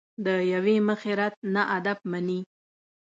له یوې مخې رد نه ادب مني.